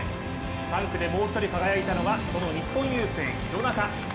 ３区でもう一人輝いたのは、その日本郵政、廣中。